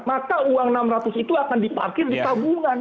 maka uang enam ratus itu akan diparkir di tabungan